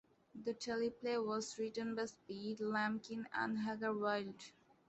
The teleplay was written by Speed Lamkin and Hagar Wilde.